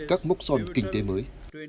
các mốc son kinh tế mới